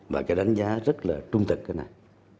và cái đánh giá rất là trung thực cái này